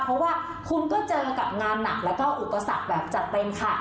เพราะว่าคุณก็เจอกับงานหนักแล้วก็อุปสรรคแบบจัดเต็มค่ะ